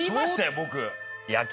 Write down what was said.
僕。